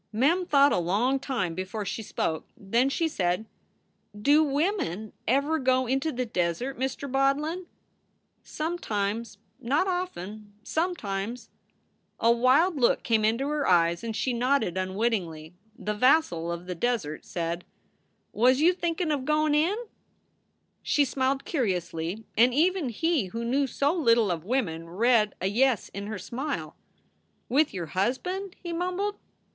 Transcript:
Mem thought a long time before she spoke. Then she said: "Do women ever go into the desert, Mr. Bodlin?" Sometimes ; not often . Sometimes . A wild look came into her eyes and she nodded unwittingly. The vassal of the desert said: "Was you thinkin of goin in?" She smiled curiously, and even he who knew so little of women read a yes in her smile. "With your husband?" he mumbled.